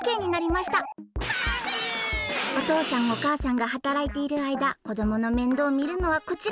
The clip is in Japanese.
おとうさんおかあさんがはたらいているあいだこどものめんどうをみるのはこちら！